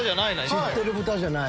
知ってる豚じゃない。